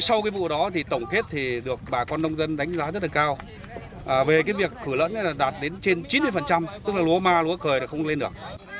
sau vụ đó tổng kết được bà con nông dân đánh giá rất cao về việc khử lẫn đạt đến trên chín mươi tức là lúa ma lúa cờ không lên được